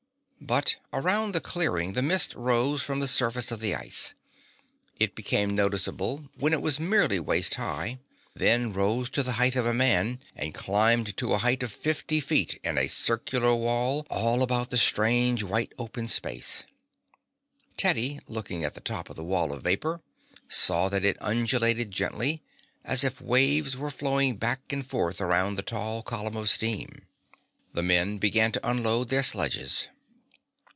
But around the clearing the mist rose from the surface of the ice. It became noticeable when it was merely waist high, then rose to the height of a man, and climbed to a height of fifty feet in a circular wall all about the strange white open space. Teddy, looking at the top of the wall of vapor, saw that it undulated gently, as if waves were flowing back and forth around the tall column of steam. The men began to unload their sledges.